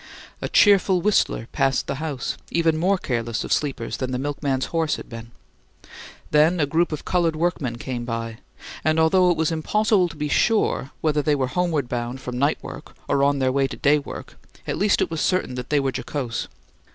A cheerful whistler passed the house, even more careless of sleepers than the milkman's horse had been; then a group of coloured workmen came by, and although it was impossible to be sure whether they were homeward bound from night work or on their way to day work, at least it was certain that they were jocose.